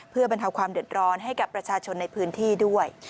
เพื่อบรรเทาความเดือดร้อนให้กับประชาชนในพื้นที่ด้วย